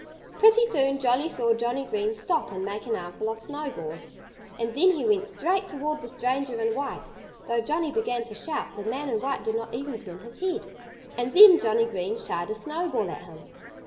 Pretty soon Jolly saw Johnnie Green stop and make an armful of snowballs. And then he went straight toward the stranger in white. Though Johnnie began to shout, the man in white did not even turn his head. And then Johnnie Green shied a snowball at him.